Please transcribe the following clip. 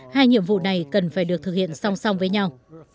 hai nhiệm vụ này cần phải được thực hiện song song với nhau